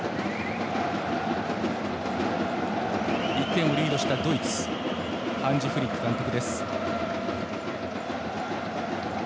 １点をリードしたドイツハンジ・フリック監督。